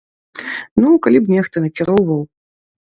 Ну, калі б нехта накіроўваў.